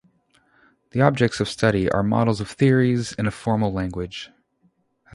The objects of study are models of theories in a formal language.